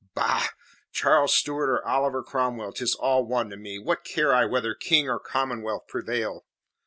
Bah! Charles Stuart or Oliver Cromwell, 'tis all one to me. What care I whether King or Commonwealth prevail?